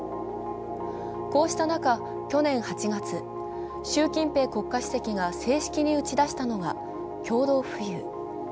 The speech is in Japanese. こうした中、去年８月、習近平国家主席が正式に打ち出したのが共同富裕。